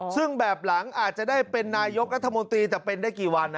ซึ่งแบบหลังอาจจะได้เป็นนายกรัฐมนตรีแต่เป็นได้กี่วัน